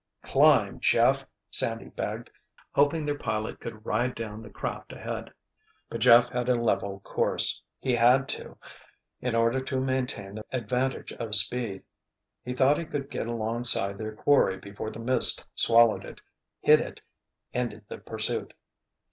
"Climb, Jeff!" Sandy begged, hoping their pilot could ride down the craft ahead. But Jeff held a level course. He had to, in order to maintain the advantage of speed. He thought he could get alongside their quarry before the mist swallowed it, hid it, ended the pursuit.